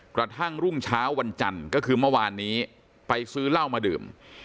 กระทั่งรุ่งเช้าวันจันทร์ก็คือเมื่อวานนี้ไปซื้อเหล้ามาดื่ม